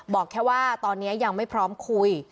บอกแค่ว่าตอนนี้ยังไม่พร้อมคุย